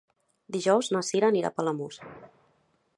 Dijous na Cira anirà a Palamós.